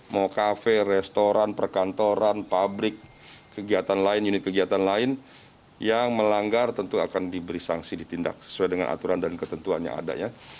mau kafe restoran perkantoran pabrik kegiatan lain unit kegiatan lain yang melanggar tentu akan diberi sanksi ditindak sesuai dengan aturan dan ketentuan yang ada ya